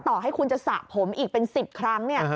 ต่อให้คุณจะสระผมอีกเป็น๑๐ครั้งเนี่ย